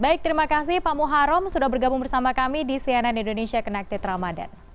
baik terima kasih pak muharrem sudah bergabung bersama kami di cnn indonesia connected ramadan